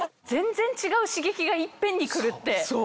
全然違う刺激がいっぺんに来るって。